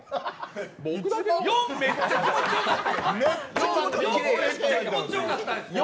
４、めっちゃ気持ちよかったよね。